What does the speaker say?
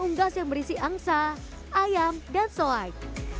unggas yang berisi angsa ayam dan selai